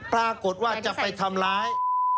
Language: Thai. ปรากฏว่าจะไปทำร้าย